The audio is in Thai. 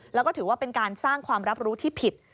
แล้วก็ถือว่าเป็นการสร้างความรับรู้ที่ผิด